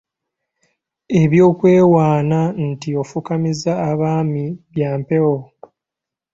Eby’okwewaana nti ofukamiza abaami bya mpewo.